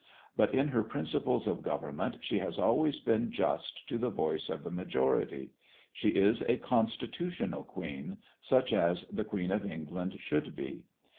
But in her principles of government she has always been just to the voice of the majority. She is a constitutional Queen, such as the Queen of England should be.